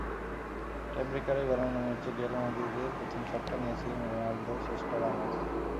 টাইব্রেকারে গড়ানো ম্যাচে রিয়াল মাদ্রিদের প্রথম শটটা নিয়েছিলেন রোনালদো, শেষটা রামোস।